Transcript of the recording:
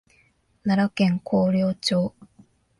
奈良県広陵町